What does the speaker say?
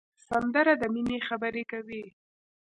سندره د مینې خبرې کوي